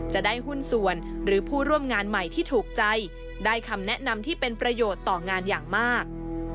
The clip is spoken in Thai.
จะได้หุ้นส่วนหรือผู้ร่วมงานใหม่ที่ถูกใจได้คำแนะนำที่เป็นประโยชน์ต่องานอย่างมาก